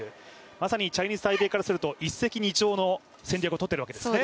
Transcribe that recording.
まさにチャイニーズ・タイペイからすると一石二鳥の戦略をとっているわけですね。